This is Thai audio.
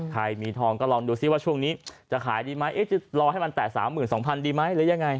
ใครมีทองก็ลองดูซิว่าช่วงนี้จะขายดีไหมจะรอให้มันแตะ๓๒๐๐ดีไหมหรือยังไง